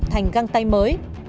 thành găng tay mới